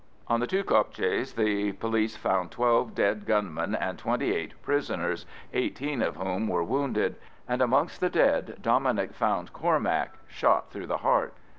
On the two kopjes the police found twelve dead gunmen and twenty eight prisoners, eighteen of whom were wounded. And amongst the dead Dominic found Cormac, shot through the heart.